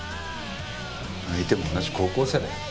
相手も同じ高校生だよ。